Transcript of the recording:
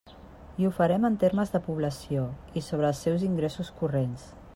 I ho farem en termes de població i sobre els seus ingressos corrents.